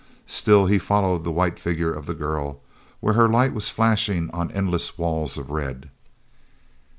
Still he followed the white figure of the girl where her light was flashing on endless walls of red.